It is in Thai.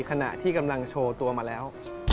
ขณะที่กำลังโชว์ตัวมาแล้ว